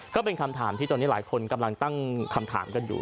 ก็เป็นคำถามที่ตอนนี้หลายคนกำลังตั้งคำถามกันอยู่